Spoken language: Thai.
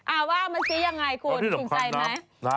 อ่าว่ามันซี้ยังไงคุณแต่จากนั้นแต่ที่สามารถน้ำ